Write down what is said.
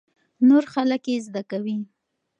نور خلک يې زده کوي.